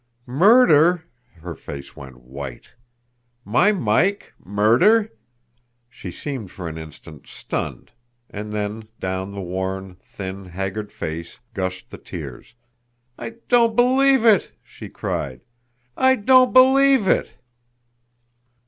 "Murder!" her face went white. "My Mike MURDER!" She seemed for an instant stunned and then down the worn, thin, haggard face gushed the tears. "I don't believe it!" she cried. "I don't believe it!"